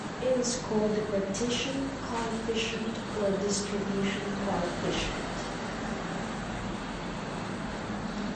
It is called the partition coefficient or distribution coefficient.